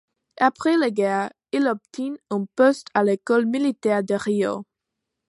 Après la guerre, il obtint un poste à l'École militaire de Rio.